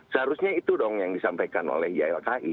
seharusnya itu dong yang disampaikan oleh ylki